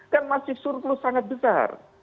kan masih surplus sangat besar